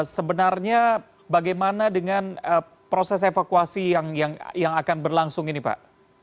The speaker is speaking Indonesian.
sebenarnya bagaimana dengan proses evakuasi yang akan berlangsung ini pak